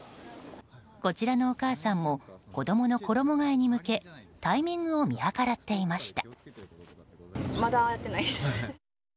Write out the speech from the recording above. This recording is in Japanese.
こちらのお母さんも子供の衣替えに向けタイミングを見計らっていました。